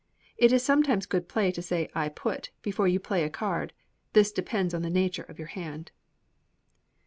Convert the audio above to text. It is sometimes good play to say, "I put," before you play a card: this depends on the nature of your hand.